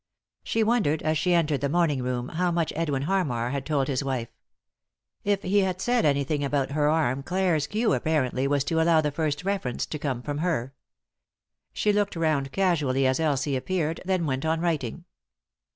She wondered, as she entered the morning room, how much Edwin Harmar bad told his wife. If he had said anything about her arm Clare's cue, apparently, was to allow the first reference to come from her. She looked round casually as Elsie appeared, then went on writing.